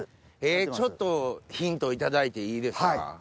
ちょっとヒント頂いていいですか？